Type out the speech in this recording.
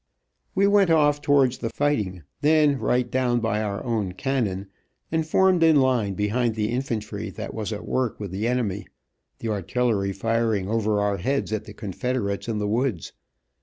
We went off towards the fighting, then right down by our own cannon and formed in line behind the infantry, that was at work with the enemy, the artillery firing over our heads at the confederates in the woods.